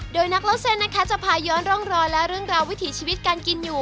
โดยนักเล่าเส้นนะคะจะพาย้อนร่องรอยและเรื่องราววิถีชีวิตการกินอยู่